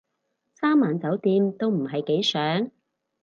三晚酒店都唔係幾想